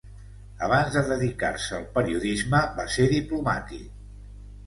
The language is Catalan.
Abans de dedicar-se al periodisme va ser diplomàtic.